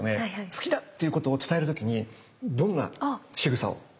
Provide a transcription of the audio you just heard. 好きだっていうことを伝える時にどんなしぐさを？